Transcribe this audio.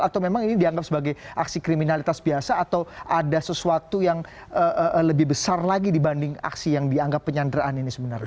atau memang ini dianggap sebagai aksi kriminalitas biasa atau ada sesuatu yang lebih besar lagi dibanding aksi yang dianggap penyanderaan ini sebenarnya